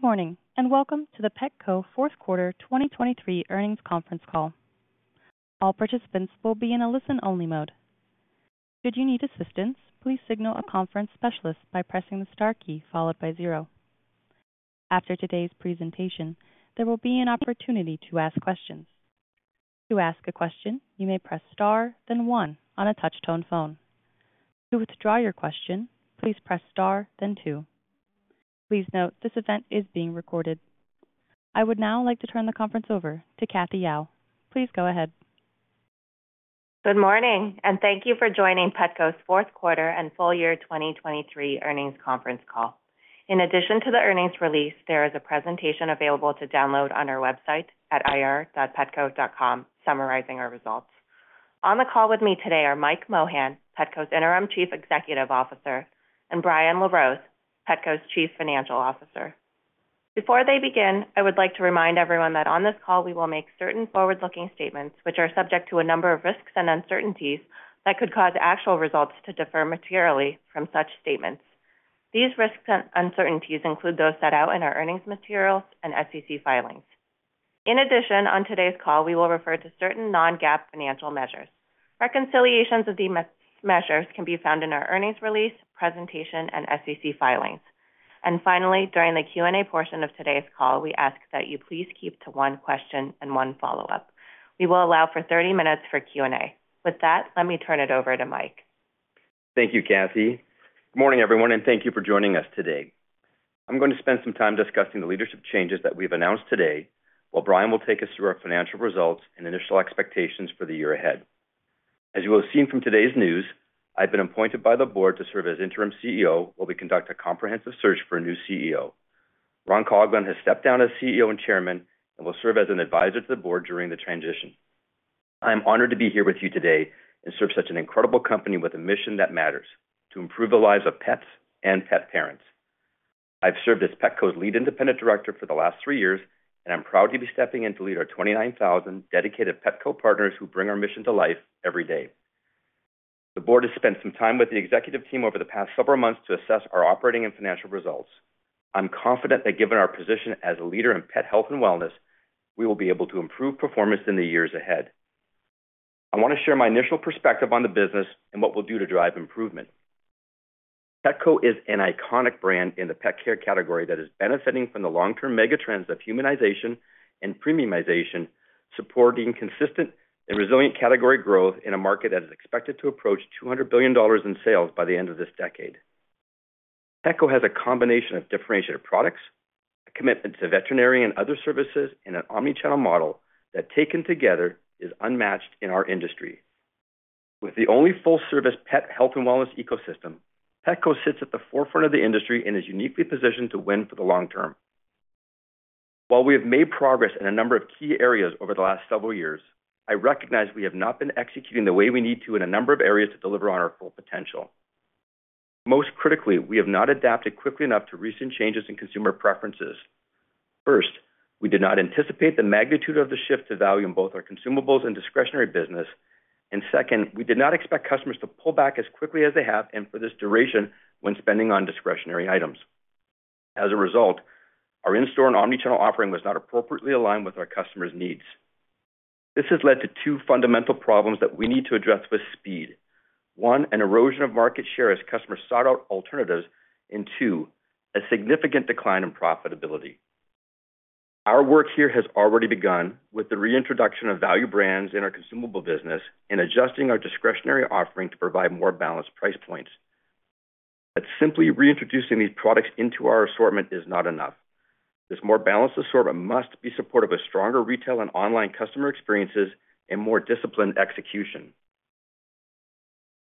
Good morning and Welcome to the Petco Fourth Quarter 2023 Earnings Conference Call. All participants will be in a listen-only mode. Should you need assistance, please signal a conference specialist by pressing the star key followed by zero. After today's presentation, there will be an opportunity to ask questions. To ask a question, you may press star, then one on a touch-tone phone. To withdraw your question, please press star, then two. Please note, this event is being recorded. I would now like to turn the conference over to Cathy Yao. Please go ahead. Good morning, and thank you for joining Petco's fourth quarter and full year 2023 earnings conference call. In addition to the earnings release, there is a presentation available to download on our website at ir.petco.com summarizing our results. On the call with me today are Mike Mohan, Petco's Interim Chief Executive Officer, and Brian LaRose, Petco's Chief Financial Officer. Before they begin, I would like to remind everyone that on this call we will make certain forward-looking statements which are subject to a number of risks and uncertainties that could cause actual results to differ materially from such statements. These risks and uncertainties include those set out in our earnings materials and SEC filings. In addition, on today's call we will refer to certain non-GAAP financial measures. Reconciliations of these measures can be found in our earnings release, presentation, and SEC filings. And finally, during the Q&A portion of today's call, we ask that you please keep to one question and one follow-up. We will allow for 30 minutes for Q&A. With that, let me turn it over to Mike. Thank you, Cathy. Good morning, everyone, and thank you for joining us today. I'm going to spend some time discussing the leadership changes that we've announced today, while Brian will take us through our financial results and initial expectations for the year ahead. As you will have seen from today's news, I've been appointed by the board to serve as Interim CEO while we conduct a comprehensive search for a new CEO. Ron Coughlin has stepped down as CEO and Chairman and will serve as an advisor to the board during the transition. I'm honored to be here with you today and serve such an incredible company with a mission that matters: to improve the lives of pets and pet parents. I've served as Petco's lead independent director for the last three years, and I'm proud to be stepping in to lead our 29,000 dedicated Petco partners who bring our mission to life every day. The board has spent some time with the executive team over the past several months to assess our operating and financial results. I'm confident that given our position as a leader in pet health and wellness, we will be able to improve performance in the years ahead. I want to share my initial perspective on the business and what we'll do to drive improvement. Petco is an iconic brand in the pet care category that is benefiting from the long-term mega trends of humanization and premiumization, supporting consistent and resilient category growth in a market that is expected to approach $200 billion in sales by the end of this decade. Petco has a combination of differentiated products, a commitment to veterinary and other services, and an omnichannel model that, taken together, is unmatched in our industry. With the only full-service pet health and wellness ecosystem, Petco sits at the forefront of the industry and is uniquely positioned to win for the long term. While we have made progress in a number of key areas over the last several years, I recognize we have not been executing the way we need to in a number of areas to deliver on our full potential. Most critically, we have not adapted quickly enough to recent changes in consumer preferences. First, we did not anticipate the magnitude of the shift to value in both our consumables and discretionary business. And second, we did not expect customers to pull back as quickly as they have and for this duration when spending on discretionary items. As a result, our in-store and omnichannel offering was not appropriately aligned with our customers' needs. This has led to two fundamental problems that we need to address with speed: one, an erosion of market share as customers sought out alternatives, and two, a significant decline in profitability. Our work here has already begun with the reintroduction of value brands in our consumable business and adjusting our discretionary offering to provide more balanced price points. But simply reintroducing these products into our assortment is not enough. This more balanced assortment must be supportive of stronger retail and online customer experiences and more disciplined execution.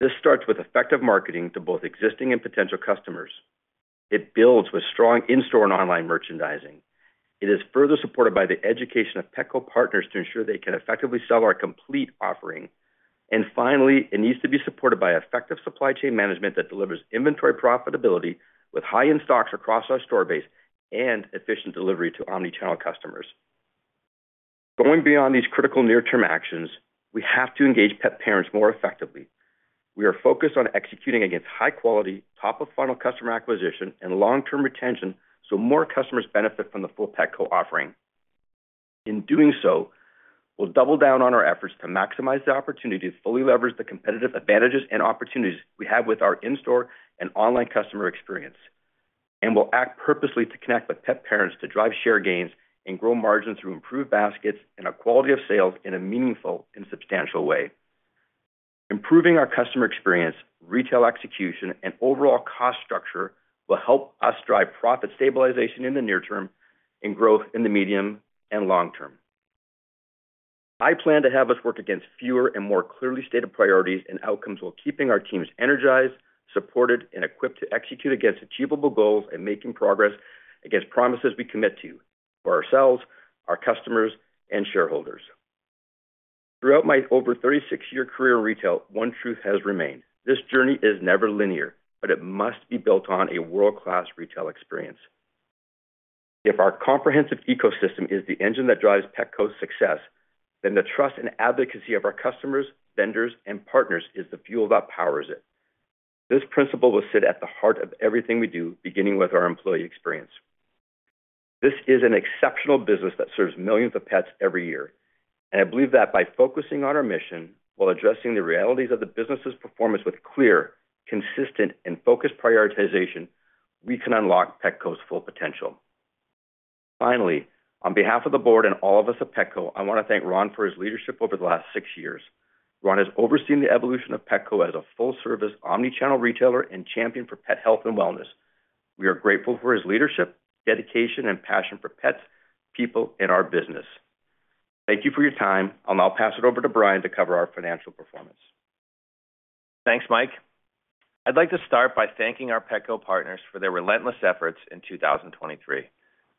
This starts with effective marketing to both existing and potential customers. It builds with strong in-store and online merchandising. It is further supported by the education of Petco partners to ensure they can effectively sell our complete offering. Finally, it needs to be supported by effective supply chain management that delivers inventory profitability with high-end stocks across our store base and efficient delivery to omnichannel customers. Going beyond these critical near-term actions, we have to engage pet parents more effectively. We are focused on executing against high-quality, top-of-funnel customer acquisition, and long-term retention so more customers benefit from the full Petco offering. In doing so, we'll double down on our efforts to maximize the opportunity to fully leverage the competitive advantages and opportunities we have with our in-store and online customer experience. We'll act purposely to connect with pet parents to drive share gains and grow margins through improved baskets and a quality of sales in a meaningful and substantial way. Improving our customer experience, retail execution, and overall cost structure will help us drive profit stabilization in the near term and growth in the medium and long term. I plan to have us work against fewer and more clearly stated priorities and outcomes while keeping our teams energized, supported, and equipped to execute against achievable goals and making progress against promises we commit to for ourselves, our customers, and shareholders. Throughout my over 36-year career in retail, one truth has remained: this journey is never linear, but it must be built on a world-class retail experience. If our comprehensive ecosystem is the engine that drives Petco's success, then the trust and advocacy of our customers, vendors, and partners is the fuel that powers it. This principle will sit at the heart of everything we do, beginning with our employee experience. This is an exceptional business that serves millions of pets every year. I believe that by focusing on our mission while addressing the realities of the business's performance with clear, consistent, and focused prioritization, we can unlock Petco's full potential. Finally, on behalf of the board and all of us at Petco, I want to thank Ron for his leadership over the last six years. Ron has overseen the evolution of Petco as a full-service omnichannel retailer and champion for pet health and wellness. We are grateful for his leadership, dedication, and passion for pets, people, and our business. Thank you for your time. I'll now pass it over to Brian to cover our financial performance. Thanks, Mike. I'd like to start by thanking our Petco partners for their relentless efforts in 2023.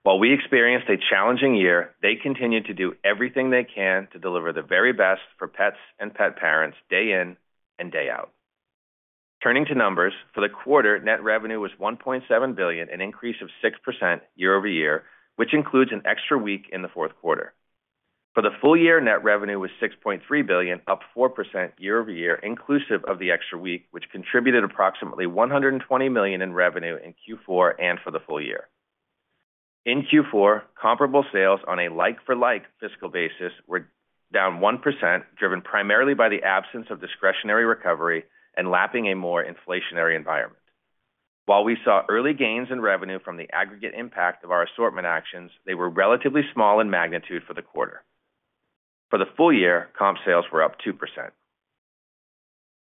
While we experienced a challenging year, they continued to do everything they can to deliver the very best for pets and pet parents day in and day out. Turning to numbers, for the quarter, net revenue was $1.7 billion, an increase of 6% year-over-year, which includes an extra week in the fourth quarter. For the full year, net revenue was $6.3 billion, up 4% year-over-year inclusive of the extra week, which contributed approximately $120 million in revenue in Q4 and for the full year. In Q4, comparable sales on a like-for-like fiscal basis were down 1%, driven primarily by the absence of discretionary recovery and lapping a more inflationary environment. While we saw early gains in revenue from the aggregate impact of our assortment actions, they were relatively small in magnitude for the quarter. For the full year, comp sales were up 2%.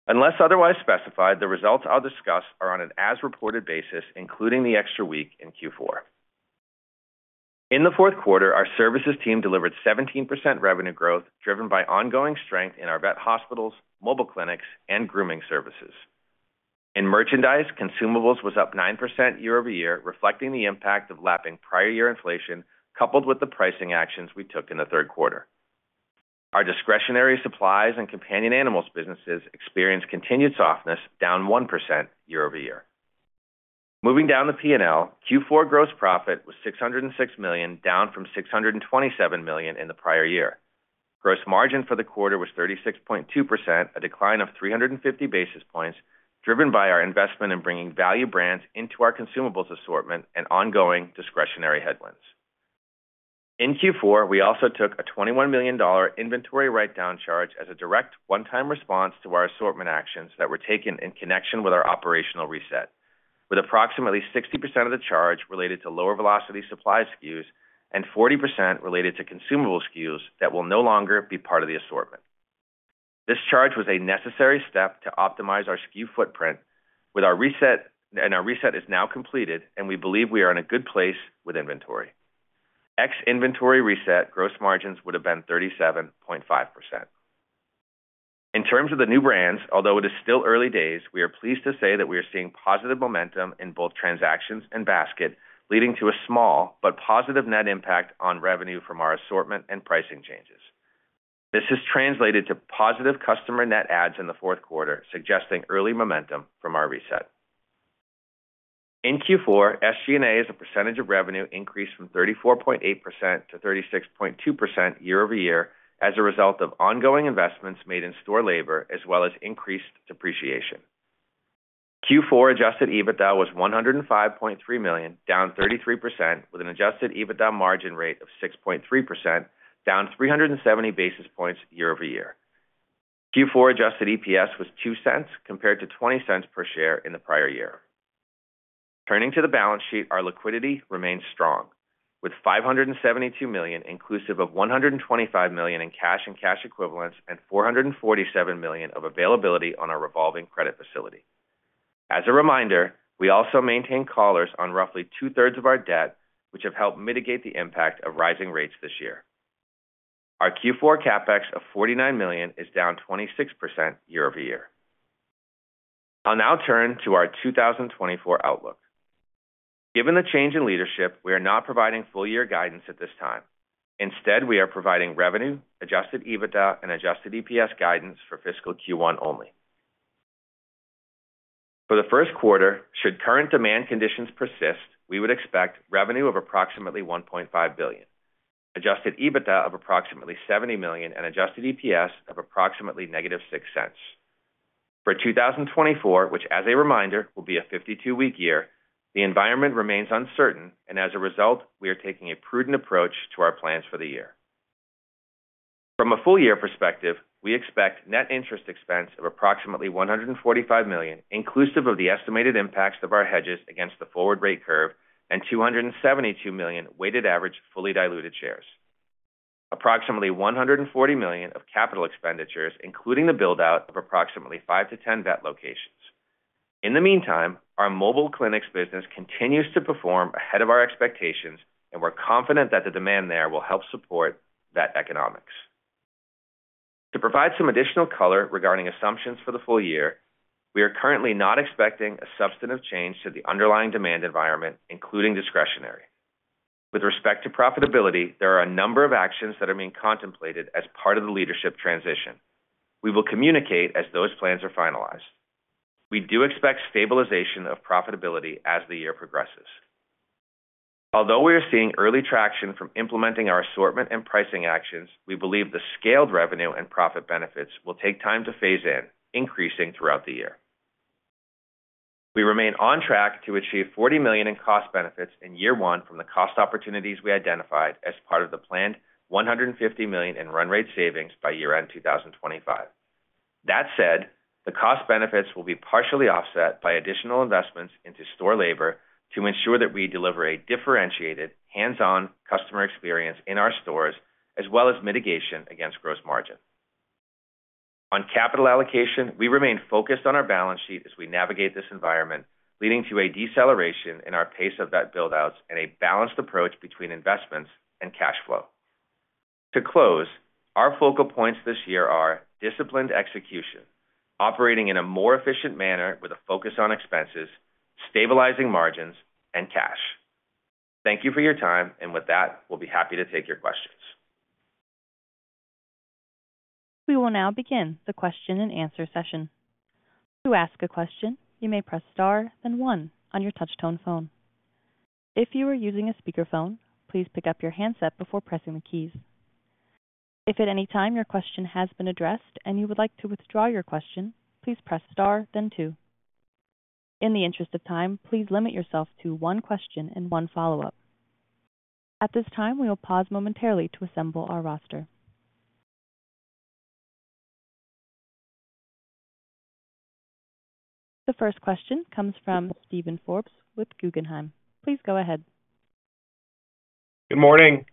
Unless otherwise specified, the results I'll discuss are on an as-reported basis, including the extra week in Q4. In the fourth quarter, our services team delivered 17% revenue growth, driven by ongoing strength in our vet hospitals, mobile clinics, and grooming services. In merchandise, consumables was up 9% year-over-year, reflecting the impact of lapping prior-year inflation coupled with the pricing actions we took in the third quarter. Our discretionary supplies and companion animals businesses experienced continued softness, down 1% year-over-year. Moving down the P&L, Q4 gross profit was $606 million, down from $627 million in the prior year. Gross margin for the quarter was 36.2%, a decline of 350 basis points, driven by our investment in bringing value brands into our consumables assortment and ongoing discretionary headwinds. In Q4, we also took a $21 million inventory write-down charge as a direct one-time response to our assortment actions that were taken in connection with our operational reset, with approximately 60% of the charge related to lower-velocity supplies SKUs and 40% related to consumable SKUs that will no longer be part of the assortment. This charge was a necessary step to optimize our SKU footprint, and our reset is now completed, and we believe we are in a good place with inventory. Ex-inventory reset gross margins would have been 37.5%. In terms of the new brands, although it is still early days, we are pleased to say that we are seeing positive momentum in both transactions and basket, leading to a small but positive net impact on revenue from our assortment and pricing changes. This has translated to positive customer net adds in the fourth quarter, suggesting early momentum from our reset. In Q4, SG&A is a percentage of revenue increase from 34.8%-36.2% year-over-year as a result of ongoing investments made in store labor as well as increased depreciation. Q4 Adjusted EBITDA was $105.3 million, down 33%, with an Adjusted EBITDA margin rate of 6.3%, down 370 basis points year-over-year. Q4 Adjusted EPS was $0.02 compared to $0.20 per share in the prior year. Turning to the balance sheet, our liquidity remains strong, with $572 million inclusive of $125 million in cash and cash equivalents and $447 million of availability on our revolving credit facility. As a reminder, we also maintain collars on roughly two-thirds of our debt, which have helped mitigate the impact of rising rates this year. Our Q4 CapEx of $49 million is down 26% year-over-year. I'll now turn to our 2024 outlook. Given the change in leadership, we are not providing full-year guidance at this time. Instead, we are providing revenue, Adjusted EBITDA, and Adjusted EPS guidance for fiscal Q1 only. For the first quarter, should current demand conditions persist, we would expect revenue of approximately $1.5 billion, Adjusted EBITDA of approximately $70 million, and Adjusted EPS of approximately -$0.06. For 2024, which, as a reminder, will be a 52-week year, the environment remains uncertain, and as a result, we are taking a prudent approach to our plans for the year. From a full-year perspective, we expect net interest expense of approximately $145 million inclusive of the estimated impacts of our hedges against the forward rate curve and 272 million weighted average fully diluted shares, approximately $140 million of capital expenditures including the buildout of approximately five-10 vet locations. In the meantime, our mobile clinics business continues to perform ahead of our expectations, and we're confident that the demand there will help support vet economics. To provide some additional color regarding assumptions for the full year, we are currently not expecting a substantive change to the underlying demand environment, including discretionary. With respect to profitability, there are a number of actions that are being contemplated as part of the leadership transition. We will communicate as those plans are finalized. We do expect stabilization of profitability as the year progresses. Although we are seeing early traction from implementing our assortment and pricing actions, we believe the scaled revenue and profit benefits will take time to phase in, increasing throughout the year. We remain on track to achieve $40 million in cost benefits in year one from the cost opportunities we identified as part of the planned $150 million in run rate savings by year-end 2025. That said, the cost benefits will be partially offset by additional investments into store labor to ensure that we deliver a differentiated, hands-on customer experience in our stores as well as mitigation against gross margin. On capital allocation, we remain focused on our balance sheet as we navigate this environment, leading to a deceleration in our pace of vet buildouts and a balanced approach between investments and cash flow. To close, our focal points this year are disciplined execution, operating in a more efficient manner with a focus on expenses, stabilizing margins, and cash. Thank you for your time, and with that, we'll be happy to take your questions. We will now begin the question and answer session. To ask a question, you may press star then one on your touch-tone phone. If you are using a speakerphone, please pick up your handset before pressing the keys. If at any time your question has been addressed and you would like to withdraw your question, please press star then two. In the interest of time, please limit yourself to one question and one follow-up. At this time, we will pause momentarily to assemble our roster. The first question comes from Steven Forbes with Guggenheim. Please go ahead. Good morning.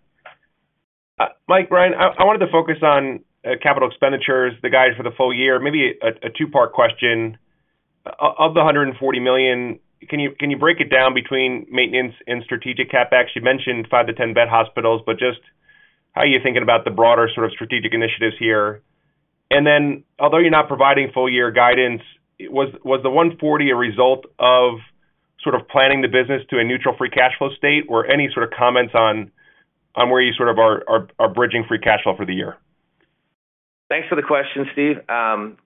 Mike, Brian, I wanted to focus on capital expenditures, the guide for the full year. Maybe a two-part question. Of the $140 million, can you break it down between maintenance and strategic CapEx? You mentioned five-10 vet hospitals, but just how are you thinking about the broader sort of strategic initiatives here? And then, although you're not providing full-year guidance, was the $140 a result of sort of planning the business to a neutral free cash flow state, or any sort of comments on where you sort of are bridging free cash flow for the year? Thanks for the question, Steve.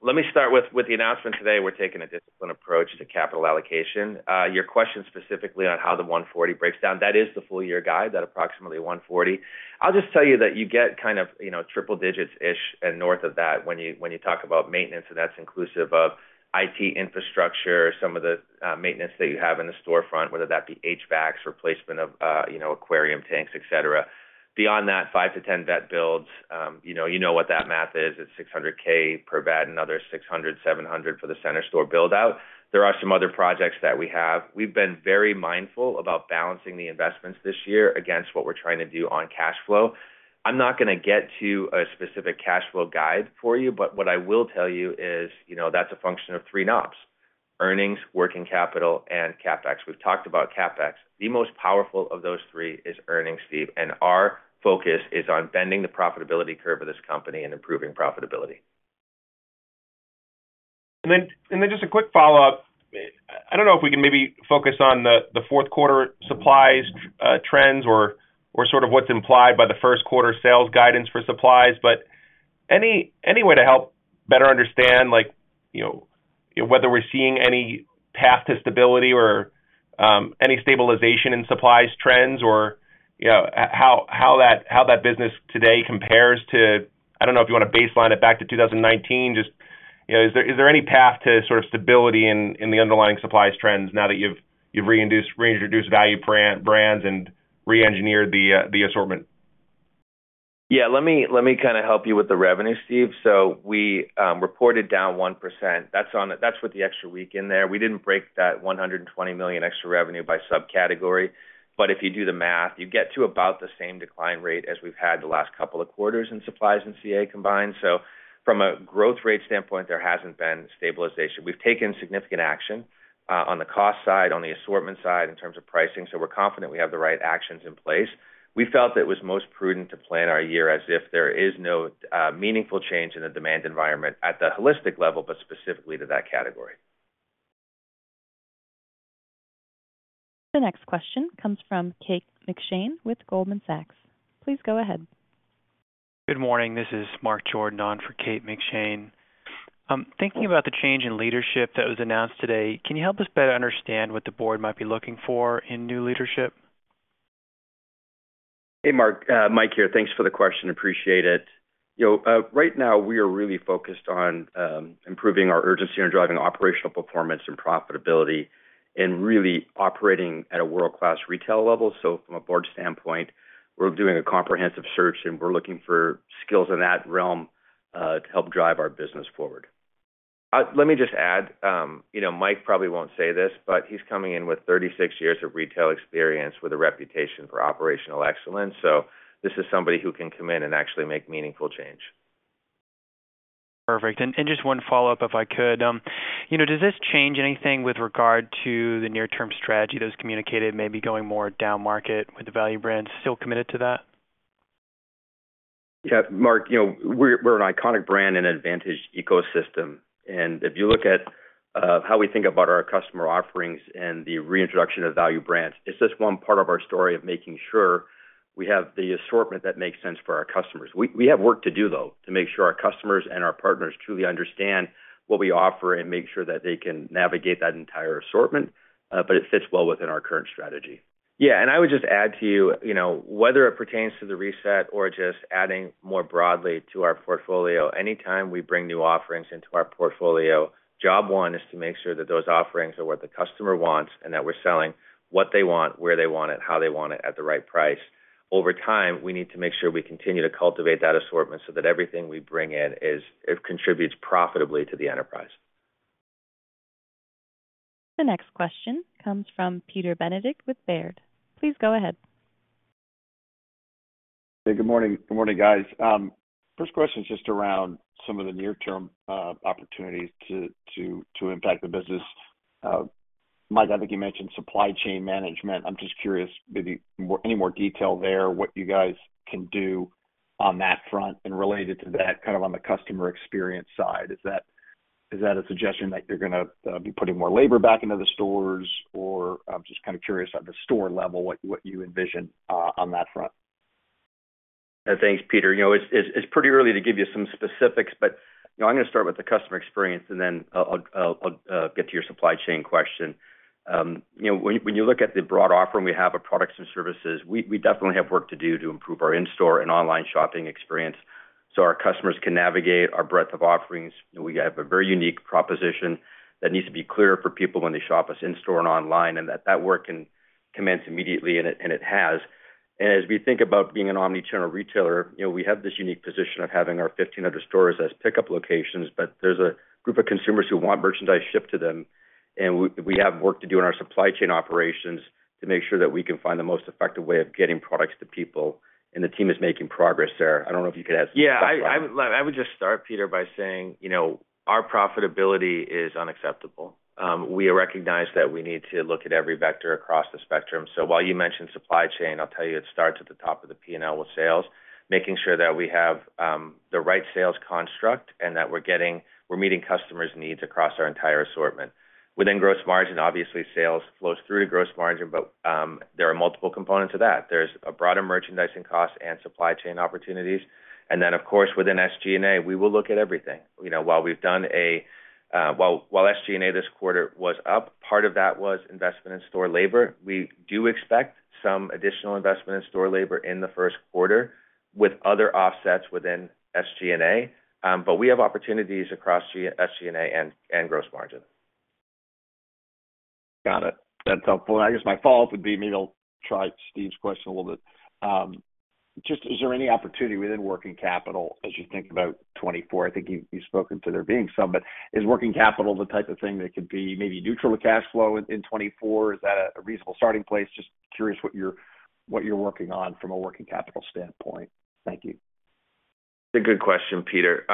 Let me start with the announcement today. We're taking a disciplined approach to capital allocation. Your question specifically on how the $140 breaks down, that is the full-year guide, that approximately $140. I'll just tell you that you get kind of triple digits-ish and north of that when you talk about maintenance, and that's inclusive of IT infrastructure, some of the maintenance that you have in the storefront, whether that be HVACs, replacement of aquarium tanks, etc. Beyond that, five-10 vet builds, you know what that math is. It's $600K per vet and another $600-$700 for the center store buildout. There are some other projects that we have. We've been very mindful about balancing the investments this year against what we're trying to do on cash flow. I'm not going to get to a specific cash flow guide for you, but what I will tell you is that's a function of three knobs: earnings, working capital, and CapEx. We've talked about CapEx. The most powerful of those three is earnings, Steve, and our focus is on bending the profitability curve of this company and improving profitability. Then just a quick follow-up. I don't know if we can maybe focus on the fourth quarter supplies trends or sort of what's implied by the first quarter sales guidance for supplies, but any way to help better understand whether we're seeing any path to stability or any stabilization in supplies trends or how that business today compares to—I don't know if you want to baseline it back to 2019. Just, is there any path to sort of stability in the underlying supplies trends now that you've reintroduced value brands and re-engineered the assortment? Yeah. Let me kind of help you with the revenue, Steve. So we reported down 1%. That's with the extra week in there. We didn't break that $120 million extra revenue by subcategory, but if you do the math, you get to about the same decline rate as we've had the last couple of quarters in supplies and CA combined. So from a growth rate standpoint, there hasn't been stabilization. We've taken significant action on the cost side, on the assortment side in terms of pricing, so we're confident we have the right actions in place. We felt that it was most prudent to plan our year as if there is no meaningful change in the demand environment at the holistic level but specifically to that category. The next question comes from Kate McShane with Goldman Sachs. Please go ahead. Good morning. This is Mark Jordan on for Kate McShane. Thinking about the change in leadership that was announced today, can you help us better understand what the board might be looking for in new leadership? Hey, Mark. Mike here. Thanks for the question. Appreciate it. Right now, we are really focused on improving our urgency and driving operational performance and profitability and really operating at a world-class retail level. So from a board standpoint, we're doing a comprehensive search, and we're looking for skills in that realm to help drive our business forward. Let me just add. Mike probably won't say this, but he's coming in with 36 years of retail experience with a reputation for operational excellence. So this is somebody who can come in and actually make meaningful change. Perfect. Just one follow-up, if I could. Does this change anything with regard to the near-term strategy that was communicated, maybe going more down market with the value brands? Still committed to that? Yeah, Mark. We're an iconic brand in an advantaged ecosystem. If you look at how we think about our customer offerings and the reintroduction of value brands, it's just one part of our story of making sure we have the assortment that makes sense for our customers. We have work to do, though, to make sure our customers and our partners truly understand what we offer and make sure that they can navigate that entire assortment, but it fits well within our current strategy. Yeah. I would just add to you, whether it pertains to the reset or just adding more broadly to our portfolio, anytime we bring new offerings into our portfolio, job one is to make sure that those offerings are what the customer wants and that we're selling what they want, where they want it, how they want it, at the right price. Over time, we need to make sure we continue to cultivate that assortment so that everything we bring in contributes profitably to the enterprise. The next question comes from Peter Benedict with Baird. Please go ahead. Hey, good morning. Good morning, guys. First question's just around some of the near-term opportunities to impact the business. Mike, I think you mentioned supply chain management. I'm just curious, maybe any more detail there, what you guys can do on that front and related to that, kind of on the customer experience side. Is that a suggestion that you're going to be putting more labor back into the stores, or I'm just kind of curious at the store level what you envision on that front? Thanks, Peter. It's pretty early to give you some specifics, but I'm going to start with the customer experience, and then I'll get to your supply chain question. When you look at the broad offering we have of products and services, we definitely have work to do to improve our in-store and online shopping experience so our customers can navigate our breadth of offerings. We have a very unique proposition that needs to be clear for people when they shop us in-store and online, and that work can commence immediately, and it has. As we think about being an omnichannel retailer, we have this unique position of having our 1,500 stores as pickup locations, but there's a group of consumers who want merchandise shipped to them, and we have work to do in our supply chain operations to make sure that we can find the most effective way of getting products to people, and the team is making progress there. I don't know if you could add something to that. Yeah. I would just start, Peter, by saying our profitability is unacceptable. We recognize that we need to look at every vector across the spectrum. So while you mentioned supply chain, I'll tell you it starts at the top of the P&L with sales, making sure that we have the right sales construct and that we're meeting customers' needs across our entire assortment. Within gross margin, obviously, sales flows through to gross margin, but there are multiple components of that. There's a broader merchandising cost and supply chain opportunities. And then, of course, within SG&A, we will look at everything. While we've done well, SG&A this quarter was up, part of that was investment in store labor. We do expect some additional investment in store labor in the first quarter with other offsets within SG&A, but we have opportunities across SG&A and gross margin. Got it. That's helpful. I guess my follow-up would be maybe I'll try Steve's question a little bit. Just is there any opportunity within working capital as you think about 2024? I think you've spoken to there being some, but is working capital the type of thing that could be maybe neutral to cash flow in 2024? Is that a reasonable starting place? Just curious what you're working on from a working capital standpoint. Thank you. It's a good question, Peter.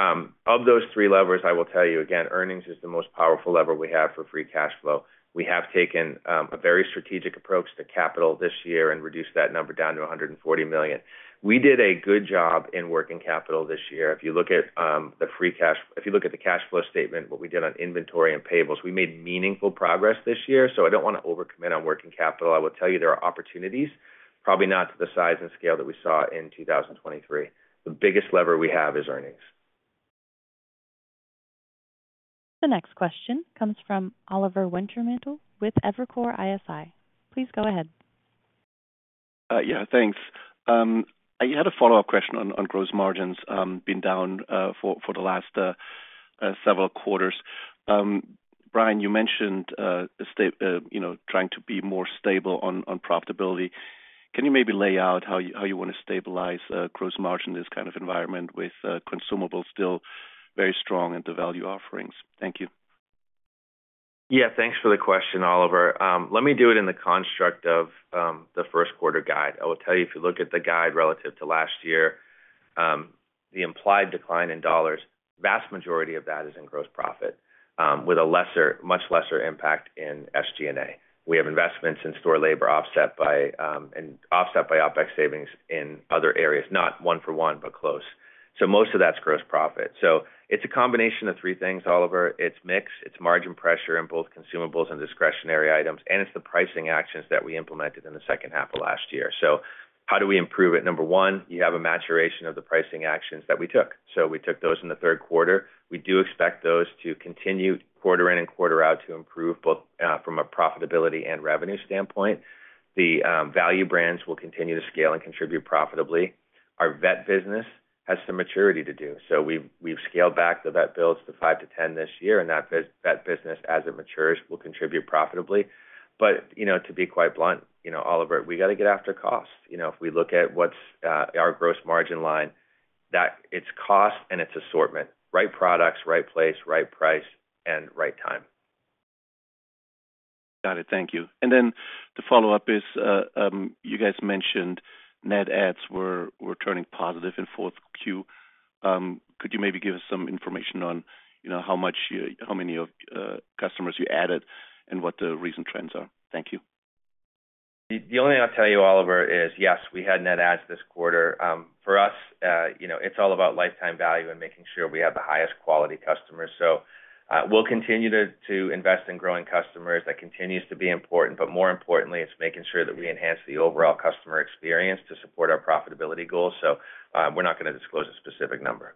Of those three levers, I will tell you, again, earnings is the most powerful lever we have for free cash flow. We have taken a very strategic approach to capital this year and reduced that number down to $140 million. We did a good job in working capital this year. If you look at the cash flow statement, what we did on inventory and payables, we made meaningful progress this year. So I don't want to overcommit on working capital. I will tell you there are opportunities, probably not to the size and scale that we saw in 2023. The biggest lever we have is earnings. The next question comes from Oliver Wintermantel with Evercore ISI. Please go ahead. Yeah, thanks. I had a follow-up question on gross margins, been down for the last several quarters. Brian, you mentioned trying to be more stable on profitability. Can you maybe lay out how you want to stabilize gross margin in this kind of environment with consumables still very strong and the value offerings? Thank you. Yeah. Thanks for the question, Oliver. Let me do it in the construct of the first quarter guide. I will tell you, if you look at the guide relative to last year, the implied decline in dollars, vast majority of that is in gross profit with a much lesser impact in SG&A. We have investments in store labor offset by and offset by OPEX savings in other areas, not one-for-one but close. So most of that's gross profit. So it's a combination of three things, Oliver. It's mix. It's margin pressure in both consumables and discretionary items, and it's the pricing actions that we implemented in the second half of last year. So how do we improve it? Number one, you have a maturation of the pricing actions that we took. So we took those in the third quarter. We do expect those to continue quarter in and quarter out to improve both from a profitability and revenue standpoint. The value brands will continue to scale and contribute profitably. Our vet business has some maturity to do. So we've scaled back the vet builds to five-10 this year, and that vet business, as it matures, will contribute profitably. But to be quite blunt, Oliver, we got to get after cost. If we look at what's our gross margin line, it's cost and it's assortment: right products, right place, right price, and right time. Got it. Thank you. And then the follow-up is you guys mentioned net ads were turning positive in fourth Q. Could you maybe give us some information on how many customers you added and what the recent trends are? Thank you. The only thing I'll tell you, Oliver, is yes, we had net ads this quarter. For us, it's all about lifetime value and making sure we have the highest quality customers. So we'll continue to invest in growing customers. That continues to be important. But more importantly, it's making sure that we enhance the overall customer experience to support our profitability goals. So we're not going to disclose a specific number.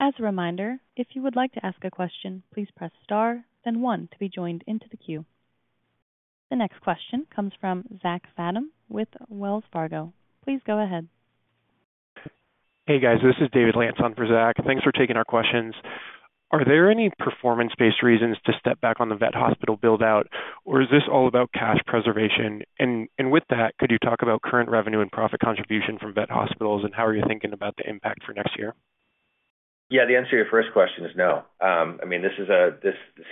As a reminder, if you would like to ask a question, please press star, then one to be joined into the Q. The next question comes from Zach Fadem with Wells Fargo. Please go ahead. Hey, guys. This is David Lantz for Zach. Thanks for taking our questions. Are there any performance-based reasons to step back on the vet hospital buildout, or is this all about cash preservation? And with that, could you talk about current revenue and profit contribution from vet hospitals, and how are you thinking about the impact for next year? Yeah. The answer to your first question is no. I mean, this is a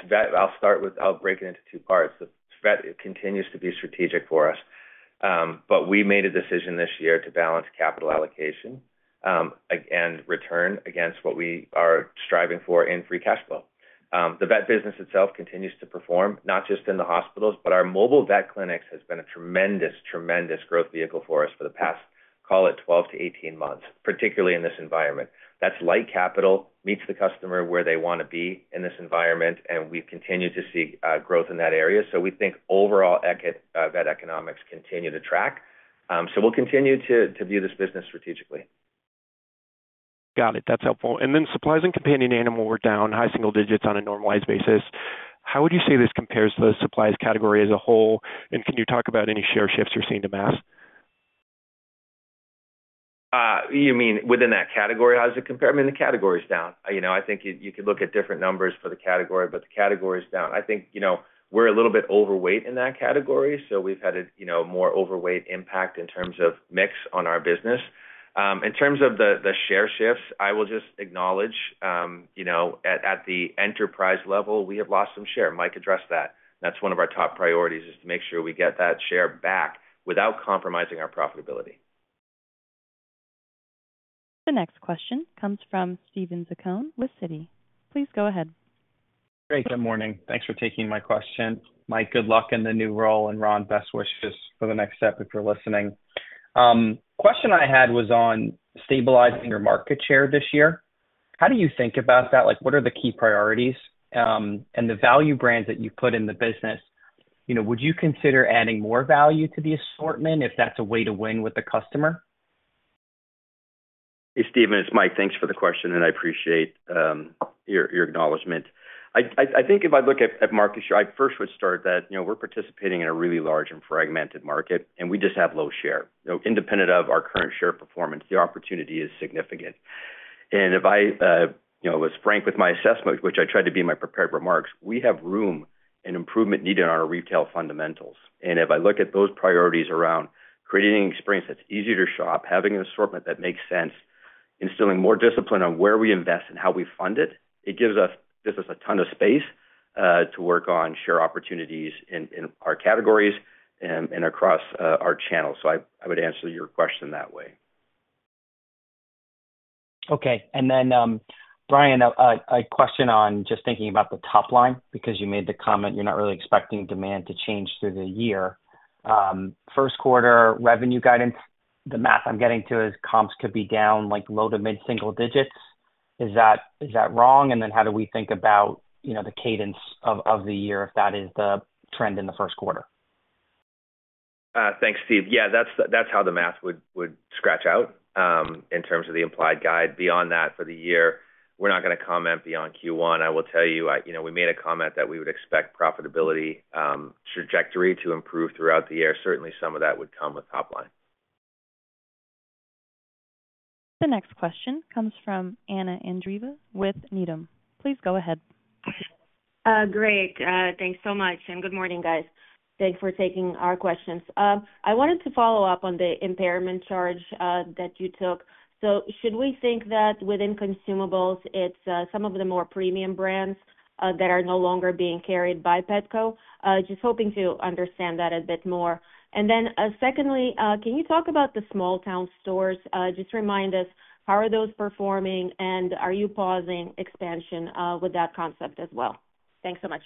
vet. I'll start with. I'll break it into two parts. The vet continues to be strategic for us, but we made a decision this year to balance capital allocation and return against what we are striving for in free cash flow. The vet business itself continues to perform, not just in the hospitals, but our mobile vet clinics has been a tremendous, tremendous growth vehicle for us for the past, call it, 12-18 months, particularly in this environment. That's light capital meets the customer where they want to be in this environment, and we've continued to see growth in that area. So we think overall vet economics continue to track. So we'll continue to view this business strategically. Got it. That's helpful. And then supplies and companion animal were down high single digits on a normalized basis. How would you say this compares to the supplies category as a whole? And can you talk about any share shifts you're seeing to mass? You mean within that category? How does it compare? I mean, the category's down. I think you could look at different numbers for the category, but the category's down. I think we're a little bit overweight in that category, so we've had a more overweight impact in terms of mix on our business. In terms of the share shifts, I will just acknowledge at the enterprise level, we have lost some share. Mike addressed that. That's one of our top priorities, is to make sure we get that share back without compromising our profitability. The next question comes from Steven Zaccone with Citi. Please go ahead. Great. Good morning. Thanks for taking my question. Mike, good luck in the new role, and Ron best wishes for the next step if you're listening. Question I had was on stabilizing your market share this year. How do you think about that? What are the key priorities? And the value brands that you put in the business, would you consider adding more value to the assortment if that's a way to win with the customer? Hey, Steven. It's Mike. Thanks for the question, and I appreciate your acknowledgment. I think if I look at market share, I first would start that we're participating in a really large and fragmented market, and we just have low share. Independent of our current share performance, the opportunity is significant. And if I was frank with my assessment, which I tried to be in my prepared remarks, we have room and improvement needed on our retail fundamentals. And if I look at those priorities around creating an experience that's easy to shop, having an assortment that makes sense, instilling more discipline on where we invest and how we fund it, it gives us a ton of space to work on share opportunities in our categories and across our channels. So I would answer your question that way. Okay. And then, Brian, a question on just thinking about the top line because you made the comment you're not really expecting demand to change through the year. First quarter revenue guidance, the math I'm getting to is comps could be down low to mid-single digits. Is that wrong? And then how do we think about the cadence of the year if that is the trend in the first quarter? Thanks, Steve. Yeah, that's how the math would scratch out in terms of the implied guide. Beyond that, for the year, we're not going to comment beyond Q1. I will tell you, we made a comment that we would expect profitability trajectory to improve throughout the year. Certainly, some of that would come with top line. The next question comes from Anna Andreeva with Needham. Please go ahead. Great. Thanks so much. And good morning, guys. Thanks for taking our questions. I wanted to follow up on the impairment charge that you took. So should we think that within consumables, it's some of the more premium brands that are no longer being carried by Petco? Just hoping to understand that a bit more. And then secondly, can you talk about the small-town stores? Just remind us, how are those performing, and are you pausing expansion with that concept as well? Thanks so much.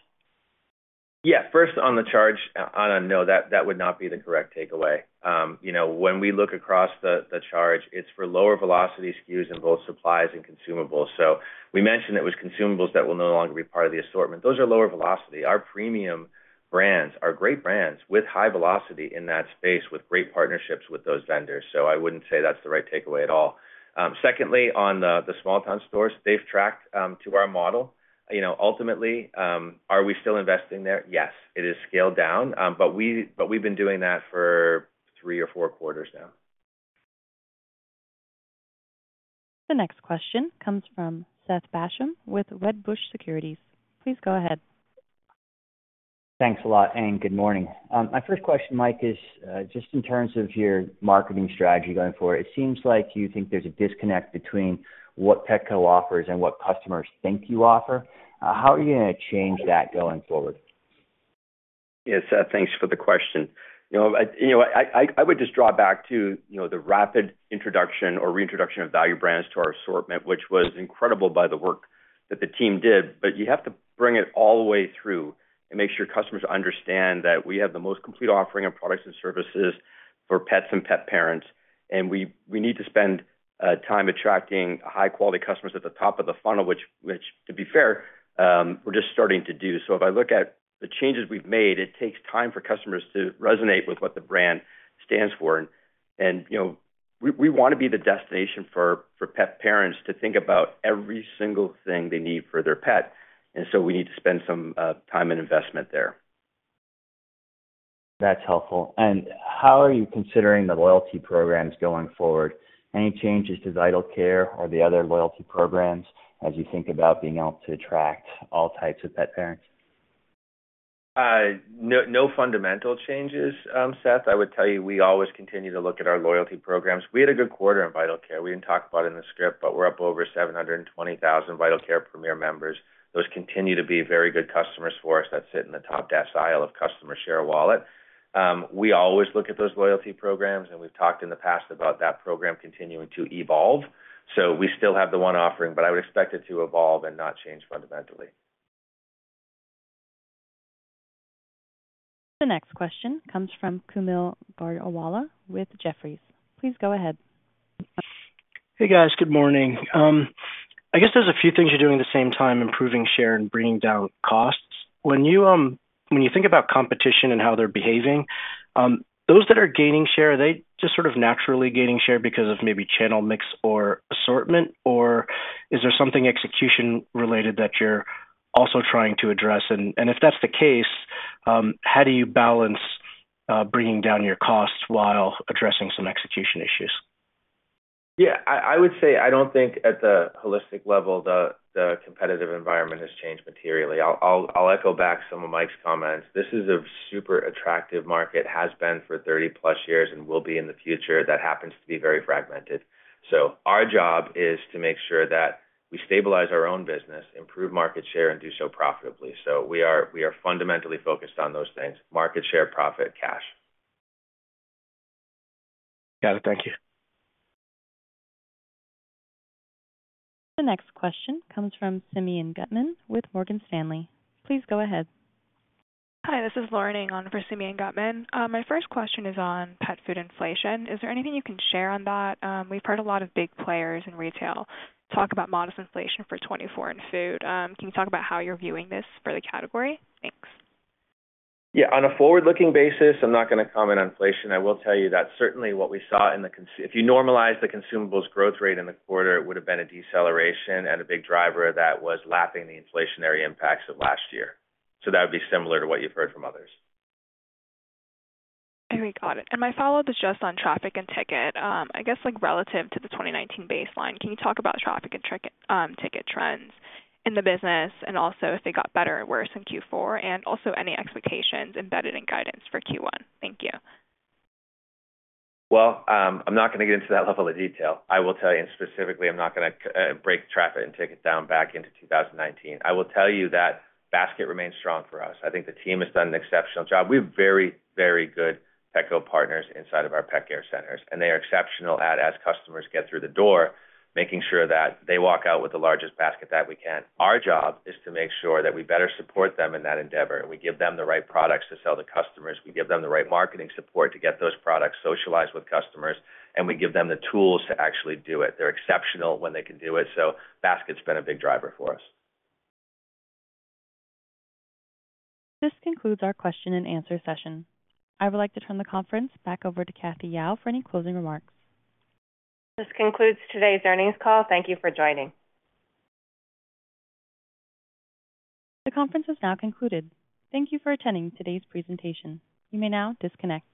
Yeah. First, on the charge, Anna, no, that would not be the correct takeaway. When we look across the charge, it's for lower velocity SKUs in both supplies and consumables. So we mentioned it was consumables that will no longer be part of the assortment. Those are lower velocity. Our premium brands are great brands with high velocity in that space, with great partnerships with those vendors. So I wouldn't say that's the right takeaway at all. Secondly, on the small-town stores, they've tracked to our model. Ultimately, are we still investing there? Yes, it is scaled down, but we've been doing that for three or four quarters now. The next question comes from Seth Basham with Wedbush Securities. Please go ahead. Thanks a lot and Good morning. My first question, Mike, is just in terms of your marketing strategy going forward. It seems like you think there's a disconnect between what Petco offers and what customers think you offer. How are you going to change that going forward? Yeah, Seth, thanks for the question. I would just draw back to the rapid introduction or reintroduction of value brands to our assortment, which was incredible by the work that the team did. But you have to bring it all the way through and make sure customers understand that we have the most complete offering of products and services for pets and pet parents, and we need to spend time attracting high-quality customers at the top of the funnel, which, to be fair, we're just starting to do. So if I look at the changes we've made, it takes time for customers to resonate with what the brand stands for. And we want to be the destination for pet parents to think about every single thing they need for their pet. And so we need to spend some time and investment there. That's helpful. And how are you considering the loyalty programs going forward? Any changes to Vital Care or the other loyalty programs as you think about being able to attract all types of pet parents? No fundamental changes, Seth. I would tell you we always continue to look at our loyalty programs. We had a good quarter in Vital Care. We didn't talk about it in the script, but we're up over 720,000 Vital Care Premier members. Those continue to be very good customers for us that sit in the top decile of customer share of wallet. We always look at those loyalty programs, and we've talked in the past about that program continuing to evolve. So we still have the one offering, but I would expect it to evolve and not change fundamentally. The next question comes from Kaumil Gajrawala with Jefferies. Please go ahead. Hey, guys. Good morning. I guess there's a few things you're doing at the same time: improving share and bringing down costs. When you think about competition and how they're behaving, those that are gaining share, are they just sort of naturally gaining share because of maybe channel mix or assortment, or is there something execution-related that you're also trying to address? And if that's the case, how do you balance bringing down your costs while addressing some execution issues? Yeah. I would say I don't think, at the holistic level, the competitive environment has changed materially. I'll echo back some of Mike's comments. This is a super attractive market, has been for 30+ years, and will be in the future. That happens to be very fragmented. So our job is to make sure that we stabilize our own business, improve market share, and do so profitably. So we are fundamentally focused on those things: market share, profit, cash. Got it. Thank you. The next question comes from Simeon Gutman with Morgan Stanley. Please go ahead. Hi. This is Lauren Ng for Simeon Gutman. My first question is on pet food inflation. Is there anything you can share on that? We've heard a lot of big players in retail talk about modest inflation for 2024 in food. Can you talk about how you're viewing this for the category? Thanks. Yeah. On a forward-looking basis, I'm not going to comment on inflation. I will tell you that certainly what we saw in the quarter, if you normalized the consumables growth rate in the quarter, it would have been a deceleration and a big driver that was lapping the inflationary impacts of last year. So that would be similar to what you've heard from others. Yeah, got it. My follow-up is just on traffic and ticket. I guess relative to the 2019 baseline, can you talk about traffic and ticket trends in the business and also if they got better and worse in Q4, and also any expectations embedded in guidance for Q1? Thank you. Well, I'm not going to get into that level of detail. I will tell you, and specifically, I'm not going to break traffic and ticket down back into 2019. I will tell you that basket remains strong for us. I think the team has done an exceptional job. We have very, very good Petco partners inside of our pet care centers, and they are exceptional at, as customers get through the door, making sure that they walk out with the largest basket that we can. Our job is to make sure that we better support them in that endeavor. We give them the right products to sell to customers. We give them the right marketing support to get those products socialized with customers, and we give them the tools to actually do it. They're exceptional when they can do it. So basket's been a big driver for us. This concludes our question and answer session. I would like to turn the conference back over to Cathy Yao for any closing remarks. This concludes today's earnings call. Thank you for joining. The conference has now concluded. Thank you for attending today's presentation. You may now disconnect.